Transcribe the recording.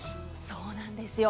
そうなんです。